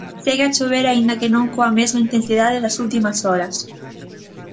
Segue a chover aínda que non coa mesma intensidade das últimas horas.